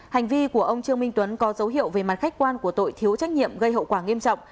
hành vi của ông trương minh tuấn có dấu hiệu về mặt khách quan của tội thiếu trách nhiệm gây hậu quả nghiêm trọng